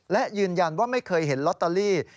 และยืนยันว่าไม่เคยเห็นลอตเตอรี่